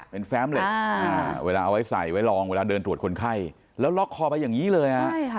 เวลาเอาไว้ใส่ไว้ลองเวลาเดินตรวจคนไข้แล้วล็อกคอไปอย่างนี้เลย